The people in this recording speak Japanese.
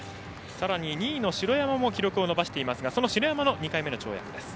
さらに２位の城山も記録を伸ばしていますがその城山の２回目の跳躍です。